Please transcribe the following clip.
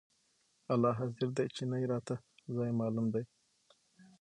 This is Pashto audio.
الله حاضر دى چې نه يې راته ځاى معلوم دى.